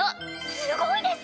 すごいです！